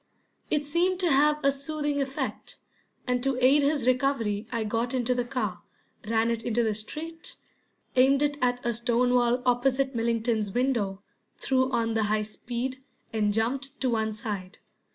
It seemed to have a soothing effect, and to aid his recovery I got into the car, ran it into the street, aimed it at a stone wall opposite Millington's window, threw on the high speed, and jumped to one side.